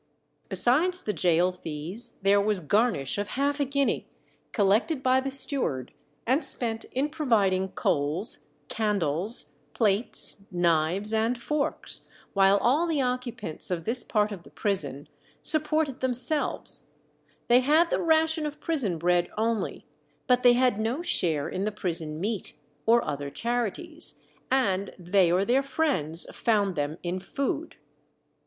Besides the gaol fees, there was garnish of half a guinea, collected by the steward, and spent in providing coals, candles, plates, knives, and forks; while all the occupants of this part of the prison supported themselves; they had the ration of prison bread only, but they had no share in the prison meat or other charities, and they or their friends found them in food.